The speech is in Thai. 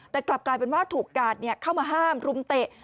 แต่กลับกลายเป็นว่าถูกกาดเข้ามาห้ามรุมเตะ